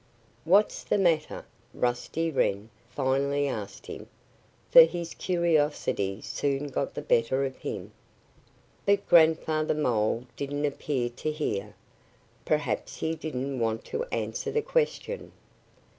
"What's the matter?" Rusty Wren finally asked him, for his curiosity soon got the better of him. But Grandfather Mole didn't appear to hear. Perhaps he didn't want to answer the question.